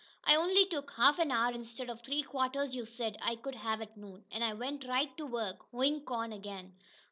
I only took half an hour, instead of three quarters you said I could have at noon, and I went right to work hoein' corn again."